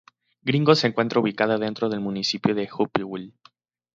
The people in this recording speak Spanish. Gringo se encuentra ubicada dentro del municipio de Hopewell.